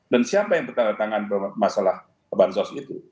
dan siapa yang bertanggung tanggung masalah bansos itu